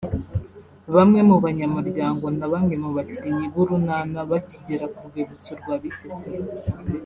bamwe mu banyamuryango na bamwe mu bakinnyi b’urunana bakigera ku rwibutso rwa Bisesero